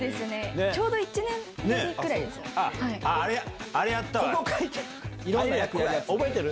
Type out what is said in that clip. ちょうど１年ぶりぐらいですよね。